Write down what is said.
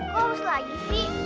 kau aus lagi sih